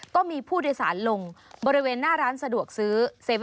ก็มีผู้โดยสารลงบริเวณหน้าร้านสะดวกซื้อ